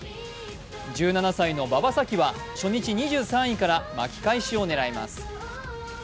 １７歳の馬場咲希は初日２３位から巻き返しを狙います。